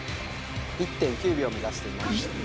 １．９秒を目指しています。